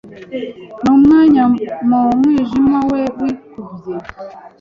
numwanya mu mwijima we wikubye